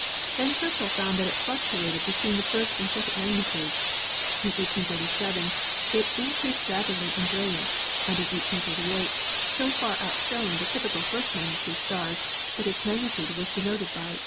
Then Herschel found that it fluctuated be tween the first and second magnitudes. In 1837 it in creased rapidly in brilliancy and in 1838 so far outshone the typical first magnitude stars that its magnitude was denoted by 0.